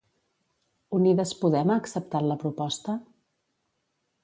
Unides Podem ha acceptat la proposta?